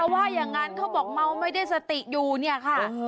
ว่าอย่างนั้นเขาบอกเมาไม่ได้สติอยู่เนี่ยค่ะ